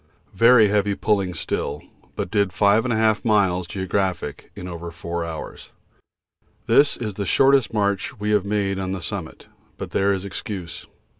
Very heavy pulling still, but did 5 miles (geo.) in over four hours. This is the shortest march we have made on the summit, but there is excuse.